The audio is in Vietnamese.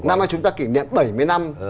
năm nay chúng ta kỉ niệm bảy mươi năm